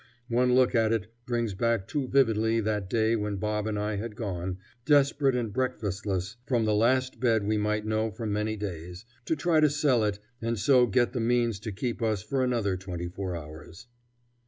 One look at it brings back too vividly that day when Bob and I had gone, desperate and breakfastless, from the last bed we might know for many days, to try to sell it and so get the means to keep us for another twenty four hours.